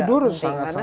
tidur sangat penting